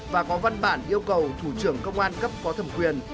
và có văn bản yêu cầu thủ trưởng công an cấp có thẩm quyền